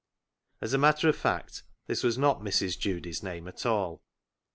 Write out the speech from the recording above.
As a matter of fact this was not Mrs. Judy's name at all.